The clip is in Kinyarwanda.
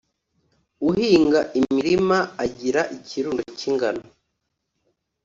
Uhinga imirima agira ikirundo cy’ingano,